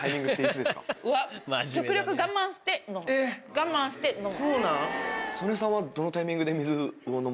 我慢して飲む。